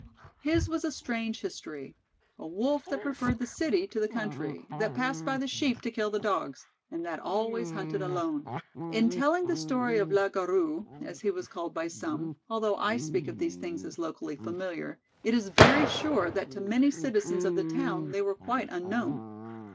His was a strange history a Wolf that preferred the city to the country, that passed by the Sheep to kill the Dogs, and that always hunted alone. In telling the story of le Garou, as he was called by some, although I speak of these things as locally familiar, it is very sure that to many citizens of the town they were quite unknown.